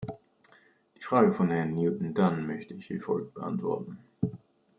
Die Frage von Herrn Newton Dunn möchte ich wie folgt beantworten.